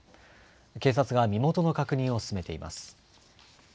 警察が身元の確認を進めています。